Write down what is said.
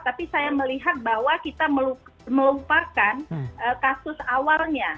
tapi saya melihat bahwa kita melupakan kasus awalnya